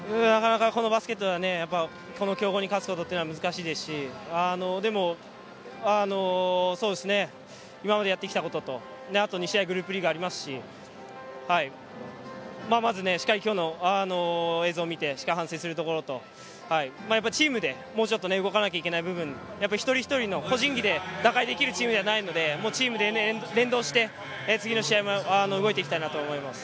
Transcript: なかなか、このバスケットは強豪に勝つことは難しいですし、でも、今までやってきたことと、グループリーグもありますし、まずしっかり、きょうの映像を見て、しっかり反省してチームでもうちょっと動かなきゃいけない部分、一人一人の個人技で打開できるチームではないので、連動して、次の試合も動いていきたいなと思います。